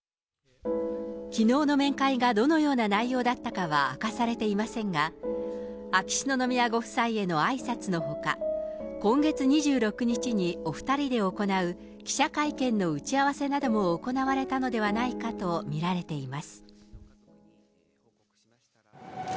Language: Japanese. きのうの面会がどのような内容だったかは明かされていませんが、秋篠宮ご夫妻へのあいさつのほか、今月２６日にお２人で行う記者会見の打ち合わせなども行われたのではないかと見られています。